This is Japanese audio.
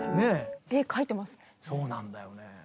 そうなんだよね。